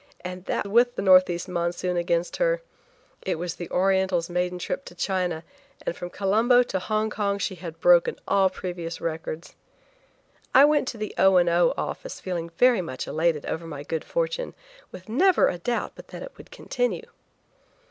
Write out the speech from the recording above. And that with the northeast monsoon against her. It was the Oriental's maiden trip to China, and from Colombo to Hong Kong she had broken all previous records. I went to the O. and O. office feeling very much elated over my good fortune, with never a doubt but that it would continue.